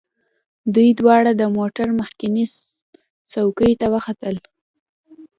دوی دواړه د موټر مخکینۍ څوکۍ ته وختل